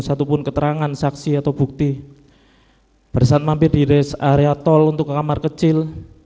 satupun keterangan saksi atau bukti bersaat mampir di rest area tol untuk ke kamar kecil